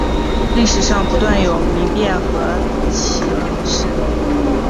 历史上不断有民变和起事。